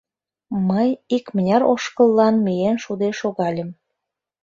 Мый икмыняр ошкыллан миен шуде шогальым.